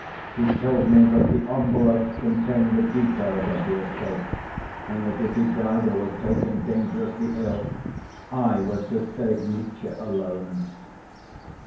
He told me that the envelope contained the details of the escape, and that if he died or was taken dangerously ill, I was to save Mitya alone.